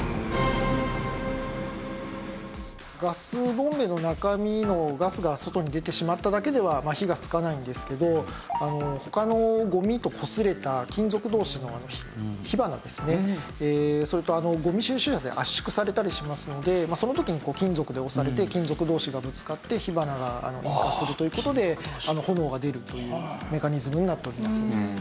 ガスボンベの中身のガスが外に出てしまっただけでは火がつかないんですけど他のごみとこすれた金属同士の火花ですねそれとごみ収集車で圧縮されたりしますのでその時に金属で押されて金属同士がぶつかって火花が引火するという事で炎が出るというメカニズムになっております。